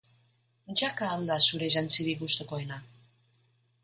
Jaka al da zure jantzirik gustukoena?